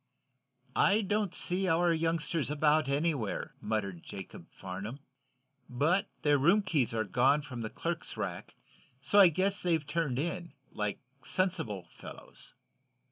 "I don't see our youngsters about, anywhere," muttered Jacob Farnum. "But their room keys are gone from the clerk's rack, so I guess they've turned in, like sensible fellows."